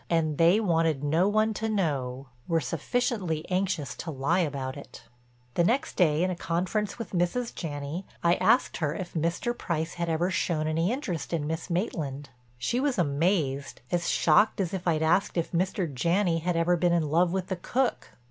And they wanted no one to know; were sufficiently anxious to lie about it. The next day in a conference with Mrs. Janney, I asked her if Mr. Price had ever shown any interest in Miss Maitland. She was amazed, as shocked as if I'd asked if Mr. Janney had ever been in love with the cook.